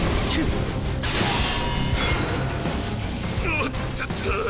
おっとっと。